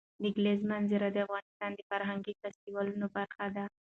د کلیزو منظره د افغانستان د فرهنګي فستیوالونو برخه ده.